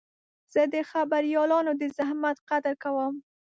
زه د خبریالانو د زحمت قدر کوم.